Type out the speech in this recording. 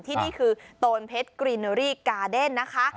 ที่นี่คือโตนเพชรกรีเนอรี่กาเดนนะคะ